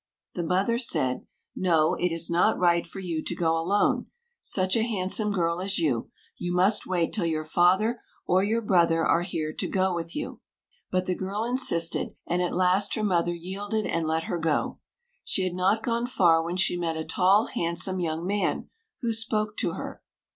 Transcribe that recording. The mother said: 'No, it is not right for you to go alone, such a handsome girl as you; you must wait till your father or your brother are here to go with you.' But the girl insisted, and at last her mother yielded and let her go. She had not gone far when she met a tall, handsome young man, who spoke to her.